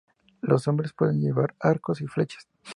Los hombres pueden llevar arcos y flechas.